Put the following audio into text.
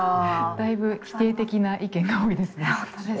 だいぶ否定的な意見が多いですね。